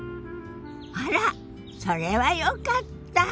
あらそれはよかった。